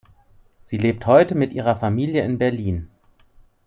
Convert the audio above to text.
Sie lebt heute mit ihrer Familie in Berlin.